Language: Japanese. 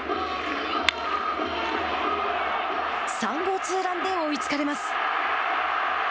３号ツーランで追いつかれます。